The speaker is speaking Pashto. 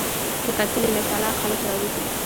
که کتل یې له کلا خلک راوزي